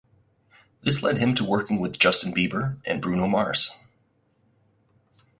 This led him to working with Justin Bieber and Bruno Mars.